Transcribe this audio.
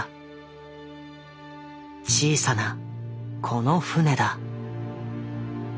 小さなこの船だ。